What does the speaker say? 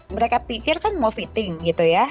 mereka pikir kan mau fitting gitu ya